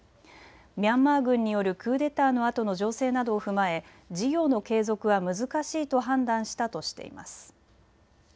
ミャンマー軍によるクーデターのあとの情勢などを踏まえ事業の継続は難しいと判断したとしています。